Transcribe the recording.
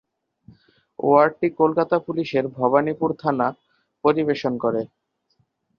ওয়ার্ডটি কলকাতা পুলিশের ভবানীপুর থানা পরিবেশন করে।